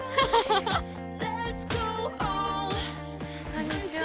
こんにちは。